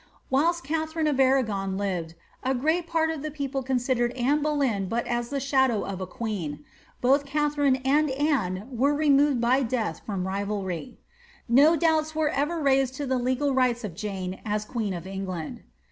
Whilst Katharine of Arragon lived, a great part of tlic people considered Anne Boleyn but as the shadow of a queen. Both Katharine and Anne were removed by death from rivalry. No doubu were ever raised to tlic legal rights of Jane as ({ueen of England.